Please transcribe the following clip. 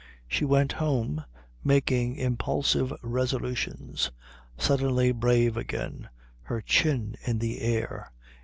She went home making impulsive resolutions, suddenly brave again, her chin in the air.